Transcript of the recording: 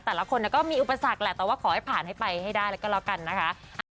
แต่ละคนก็มีอุปสรรคแหละแต่ว่าขอให้ผ่านให้ไปให้ได้แล้วก็แล้วกันนะคะ